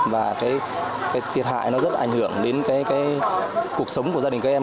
và cái thiệt hại nó rất là ảnh hưởng đến cái cuộc sống của gia đình các em